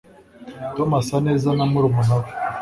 Tom asa neza na murumuna we